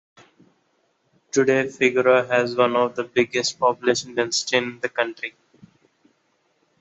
Today, Fgura has one of the highest population densities in the country.